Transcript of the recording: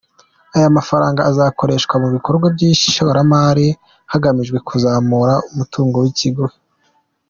Aya mafaranga azakoreshwa mu bikorwa by’ishoramari hagamijwe kuzamura umutungo w’iki kigo.